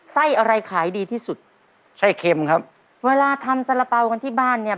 ไส้อะไรขายดีที่สุดไส้เค็มครับเวลาทำสาระเป๋ากันที่บ้านเนี่ย